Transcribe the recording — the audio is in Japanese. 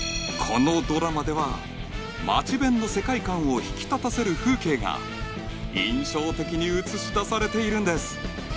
このドラマではマチベンの世界観を引き立たせる風景が印象的に映し出されているんです